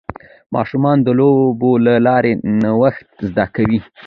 ماشومان د لوبو له لارې نوښت زده کوي.